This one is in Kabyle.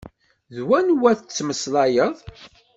D wanwa tmeslayeḍ?